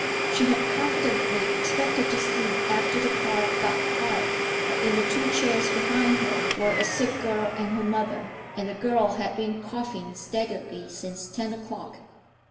She had confidently expected to sleep after the car got quiet, but in the two chairs behind her were a sick girl and her mother, and the girl had been coughing steadily since ten o'clock.